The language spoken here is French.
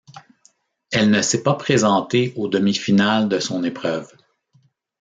Elle ne s'est pas présentée aux demi-finales de son épreuve.